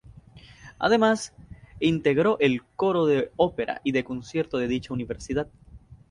Además, integró el Coro de Ópera y de Concierto de dicha universidad.